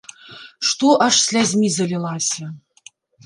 Што аж слязьмі залілася.